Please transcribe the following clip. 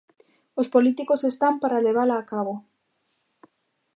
Os políticos están para levala a cabo.